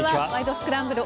スクランブル」